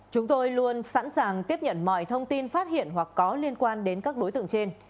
chúng tôi luôn sẵn sàng tiếp nhận mọi thông tin phát hiện hoặc có liên quan đến các đối tượng trên